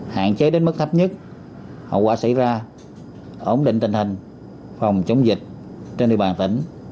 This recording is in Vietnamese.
hạn chế đến mức thấp nhất hậu quả xảy ra ổn định tình hình phòng chống dịch trên địa bàn tỉnh